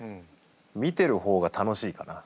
見てる方が楽しいかな。